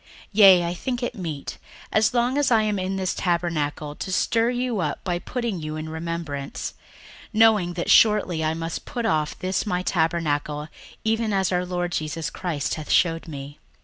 61:001:013 Yea, I think it meet, as long as I am in this tabernacle, to stir you up by putting you in remembrance; 61:001:014 Knowing that shortly I must put off this my tabernacle, even as our Lord Jesus Christ hath shewed me.